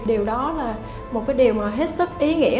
điều đó là một cái điều mà hết sức ý nghĩa